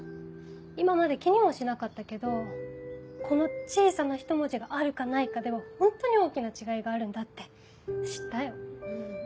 今まで気にもしなかったけどこの小さな一文字があるかないかではホントに大きな違いがあるんだって知ったよ。